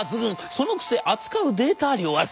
そのくせ扱うデータ量は少ない。